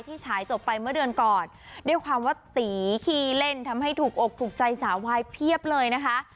ฉายจบไปเมื่อเดือนก่อนด้วยความว่าตีขี้เล่นทำให้ถูกอกถูกใจสาววายเพียบเลยนะคะ